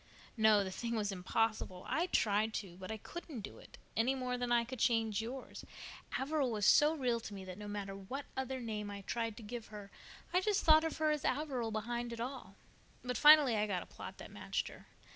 "No, the thing was impossible. I tried to, but I couldn't do it, any more than I could change yours. Averil was so real to me that no matter what other name I tried to give her I just thought of her as Averil behind it all. But finally I got a plot that matched her.